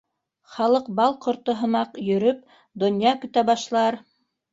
Халыҡ, бал ҡорто һымаҡ йөрөп, донъя көтә башлар.